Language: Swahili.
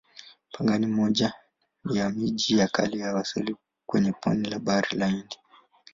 Pangani ni moja ya miji ya kale ya Waswahili kwenye pwani la Bahari Hindi.